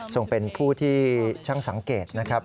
ส่งเป็นผู้ที่ช่างสังเกตนะครับ